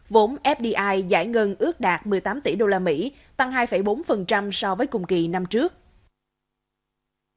vốn fdi giải ngân ước đạt một mươi tám tỷ usd tăng hai bốn so với cùng kỳ năm trước